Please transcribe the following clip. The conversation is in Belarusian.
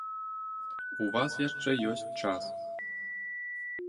У вас яшчэ ёсць час.